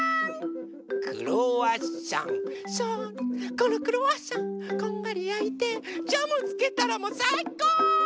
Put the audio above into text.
このクロワッサンこんがりやいてジャムつけたらもうさいこ！